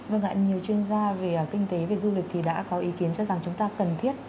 vâng ạ nhiều chuyên gia về kinh tế về du lịch thì đã có ý kiến cho rằng chúng ta cần thiết